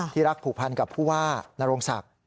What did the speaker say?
รักผูกพันกับผู้ว่านโรงศักดิ์